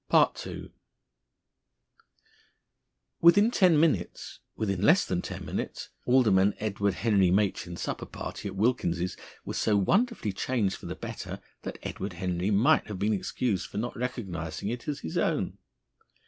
II. Within ten minutes, within less than ten minutes, Alderman Edward Henry Machin's supper party at Wilkins's was so wonderfully changed for the better that Edward Henry might have been excused for not recognising it as his own.